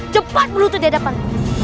cepat berlutut di hadapan